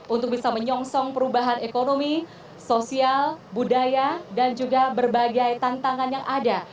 untuk bisa menyongsong perubahan ekonomi sosial budaya dan juga berbagai tantangan yang ada